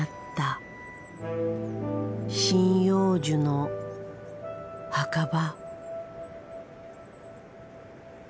針葉樹の墓場。